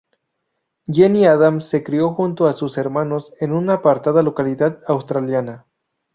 Jennie Adams se crio junto a sus hermanos en una apartada localidad australiana.